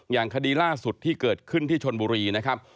อย่างคดีล่าสุดที่เกิดขึ้นที่ชนบุรีนะครับ